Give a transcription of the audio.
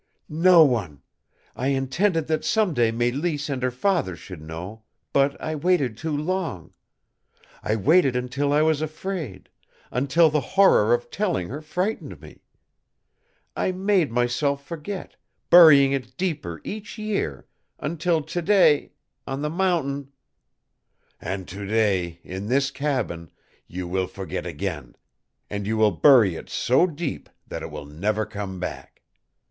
"No one. I intended that some day Mélisse and her father should know; but I waited too long. I waited until I was afraid, until the horror of telling her frightened me. I made myself forget, burying it deeper each year, until to day on the mountain " "And to day, in this cabin, you will forget again, and you will bury it so deep that it will never come back.